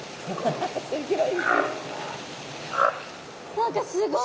何かすごい。